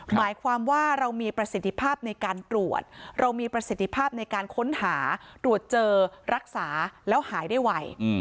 หมายความว่าเรามีประสิทธิภาพในการตรวจเรามีประสิทธิภาพในการค้นหาตรวจเจอรักษาแล้วหายได้ไว